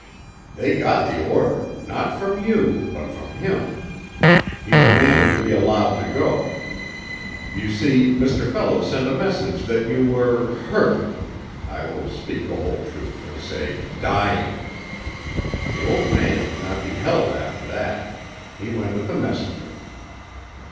"They got the order; not from you, but from him. He demanded to be allowed to go. You see, Mr. Fellows sent a message that you were hurt I will speak the whole truth, and say dying. The old man could not be held after that. He went with the messenger."